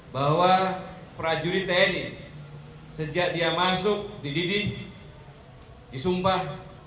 bahwa prajurit tni sejak dia masuk dididih disumpah